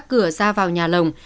cửa ra vào nhà lồng